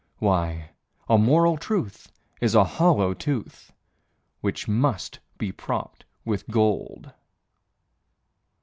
Why, a moral truth is a hollow tooth Which must be propped with gold.